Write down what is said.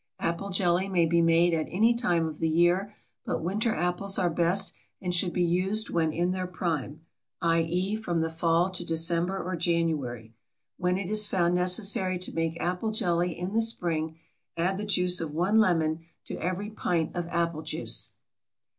Apple jelly may be made at any time of the year, but winter apples are best and should be used when in their prime, i. e., from the fall to December or January. When it is found necessary to make apple jelly in the spring, add the juice of one lemon to every pint of apple juice.